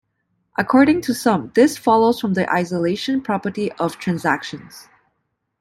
According to some, this follows from the isolation property of transactions.